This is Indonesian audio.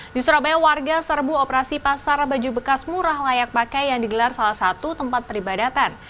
di surabaya warga serbu operasi pasar baju bekas murah layak pakai yang digelar salah satu tempat peribadatan